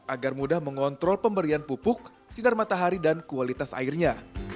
agar mudah mengontrol pemberian pupuk sinar matahari dan kualitas airnya